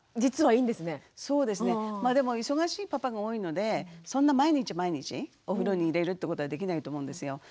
まあでも忙しいパパが多いのでそんな毎日毎日お風呂に入れるってことはできないと思うんですよ。